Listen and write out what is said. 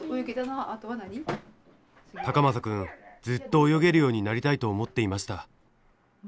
ずっと泳げるようになりたいと思っていました。